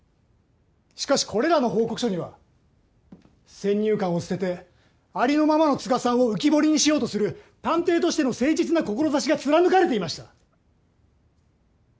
しかしこれらの報告書には先入観を捨ててありのままの都賀さんを浮き彫りにしようとする探偵としての誠実な志が貫かれていました。